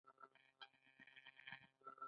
د نیمروز په خاشرود کې څه شی شته؟